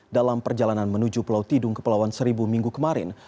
dalam perjalanan menuju pulau tidung kepulauan seribu minggu kemarin